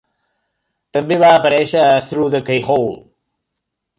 També va aparèixer a "Through the Keyhole".